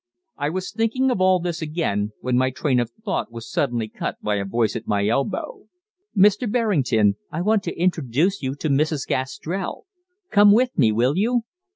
I was thinking of all this again, when my train of thought was suddenly cut by a voice at my elbow: "Mr. Berrington, I want to introduce you to Mrs. Gastrell. Come with me, will you?"